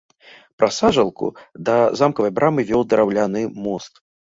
Праз сажалку да замкавай брамы вёў драўляны мост.